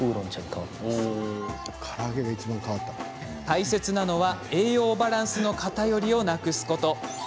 大切なのは、栄養バランスの偏りをなくすこと。